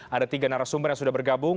ada tiga narasumber yang sudah bergabung